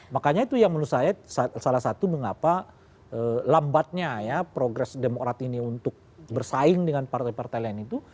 makanya itu yang menurut saya salah satu mengapa lambatnya ya progres demokrat ini untuk bersaing dengan partai partai lain itu